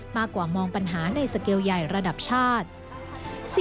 มากกว่ามองปัญหาในสเกลใหญ่ระดับชาติ